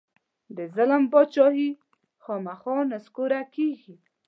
د ظلم بادچاهي خامخا نسکوره کېږي.